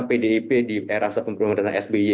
pdip di era pemerintahan sby